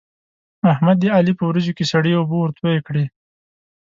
احمد د علي په وريجو کې سړې اوبه ورتوی کړې.